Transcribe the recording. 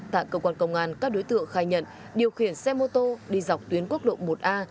tại cơ quan công an các đối tượng khai nhận điều khiển xe mô tô đi dọc tuyến quốc lộ một a